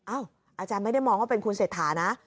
อาจารย์ไม่ได้มองว่าเป็นคุณเศรษฐานะ